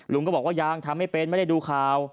ลุงก็บอกว่ายังทำไม่เป็นไม่ได้ดูข่าว